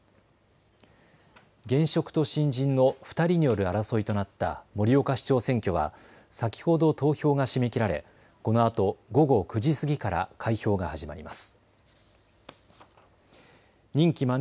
現職と新人の２人による争いとなった盛岡市長選挙は先ほど投票が締め切られこのあと午後９時過ぎから開票が始まります。